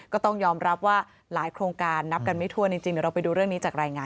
ก็ต้องยอมรับว่าหลายโครงการนับกันไม่ทัวร์จริง